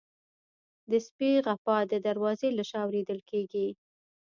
د سپي غپا د دروازې له شا اورېدل کېږي.